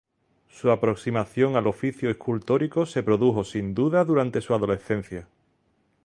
Su aproximación al oficio escultórico se produjo sin duda durante su adolescencia.